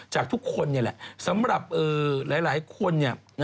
จากทุกคนนี่แหละสำหรับหลายคนเนี่ย